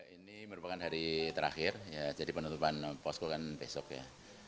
ini merupakan hari terakhir ya jadi penutupan posko kan besok ya